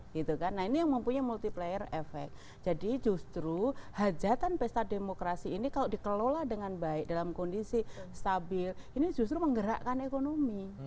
gitu kan nah ini yang mempunyai multiplayer efek jadi justru hajatan pesta demokrasi ini kalau dikelola dengan baik dalam kondisi stabil ini justru menggerakkan ekonomi